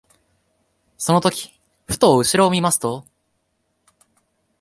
その時ふと後ろを見ますと、